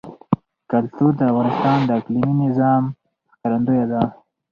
کلتور د افغانستان د اقلیمي نظام ښکارندوی ده.